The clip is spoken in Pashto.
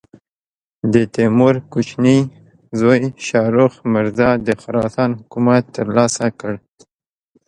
د تیمور کوچني زوی شاهرخ مرزا د خراسان حکومت تر لاسه کړ.